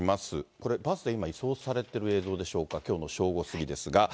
これ、バスで今、移送されている映像でしょうか、正午過ぎですが。